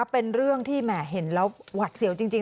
เป็นเรื่องที่แหมเห็นแล้วหวัดเสียวจริง